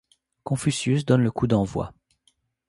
Confucius donne le coup d'envoi.